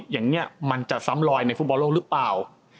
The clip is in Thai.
อย่างนี้มันจะซ้ำลอยในฟุตบอลโลกหรือเปล่า